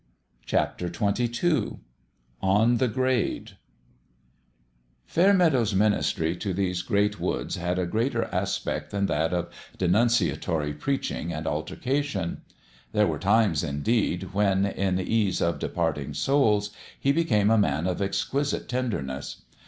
XXII ON THE GRADE FAIRMEADOW'S ministry to these great woods had a gentler aspect than that of denunciatory preaching and altercation. There were times, indeed, when, in ease of de parting souls, he became a man of exquisite ten derness.